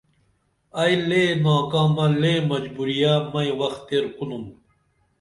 ائی لے ناکامہ لے مجبوریہ مئی وخ تیر کُنُم